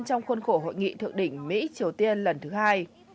trong khuôn khổ hội nghị thượng đỉnh mỹ triều tiên lần thứ hai